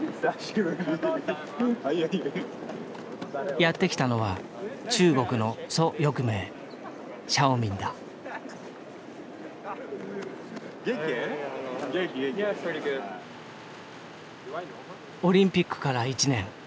やって来たのは中国のオリンピックから１年。